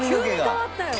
急に変わったよ。